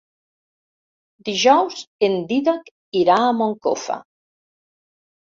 Dijous en Dídac irà a Moncofa.